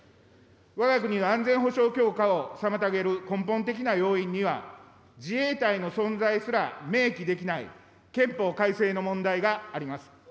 わが国の安全保障強化を妨げる根本的な要因には、自衛隊の存在すら明記できない、憲法改正の問題があります。